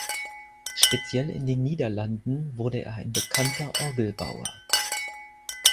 Speziell in den Niederlanden wurde er ein bekannter Orgelbauer.